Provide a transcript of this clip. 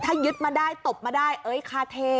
ถ้ายึดมาได้ตบมาได้ค่าเท